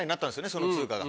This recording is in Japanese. その通貨が。